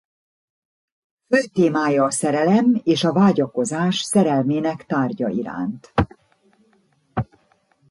Fő témája a szerelem és a vágyakozás szerelmének tárgya iránt.